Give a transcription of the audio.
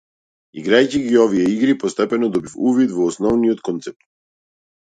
Играјќи ги овие игри постепено добив увид во основниот концепт.